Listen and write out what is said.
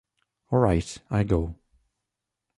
All right — I'll go.